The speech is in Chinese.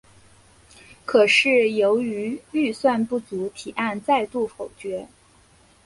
可是由于预算不足提案再度否决。